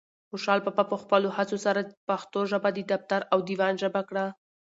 خوشحال بابا په خپلو هڅو سره پښتو ژبه د دفتر او دیوان ژبه کړه.